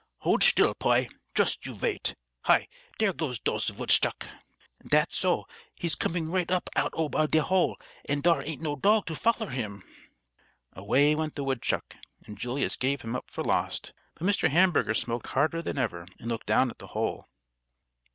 "Hold shtill, poy! Joost you vait. Hi! Dere goes dose vootshuck!" "Dat's so. He's coming right up out ob de hole, and dar ain't no dog to foller him!" Away went the woodchuck, and Julius gave him up for lost; but Mr. Hamburger smoked harder than ever and looked down at the hole.